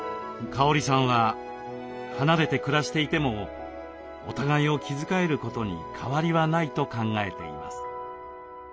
香里さんは離れて暮らしていてもお互いを気遣えることに変わりはないと考えています。